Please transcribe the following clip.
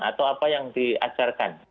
atau apa yang diajarkan